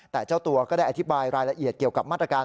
แต่เจ้าตัวก็ได้อธิบายรายละเอียดเกี่ยวกับมาตรการ